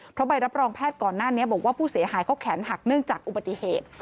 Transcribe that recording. เพราะใบรับรองแพทย์ก่อนหน้านี้บอกว่าผู้เสียหายเขาแขนหักเนื่องจากอุบัติเหตุ